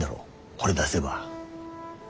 これ出せば。